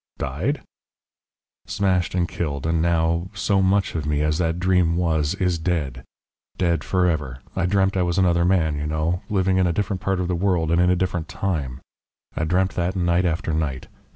"Died?" "Smashed and killed, and now, so much of me as that dream was, is dead. Dead for ever. I dreamt I was another man, you know, living in a different part of the world and in a different time. I dreamt that night after night.